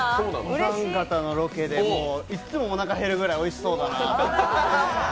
お三方のロケでいつも、おなか減るくらいおいしそうなので。